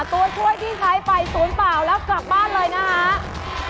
ตัวช่วยที่ใช้ไปศูนย์เปล่าแล้วกลับบ้านเลยนะครับ